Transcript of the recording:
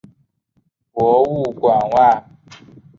博物馆外